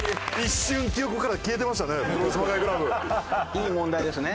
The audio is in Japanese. いい問題ですね。